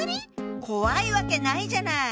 怖いわけないじゃない！